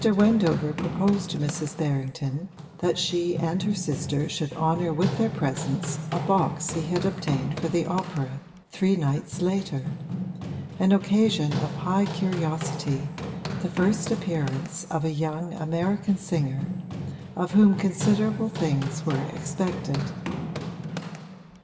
Wendover proposed to Mrs. Berrington that she and her sister should honour with their presence a box he had obtained for the opera three nights later an occasion of high curiosity, the first appearance of a young American singer of whom considerable things were expected.